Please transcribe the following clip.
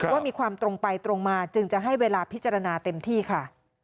ว่ามีความตรงไปตรงมาจึงจะให้เวลาพิจารณาเต็มที่ค่ะ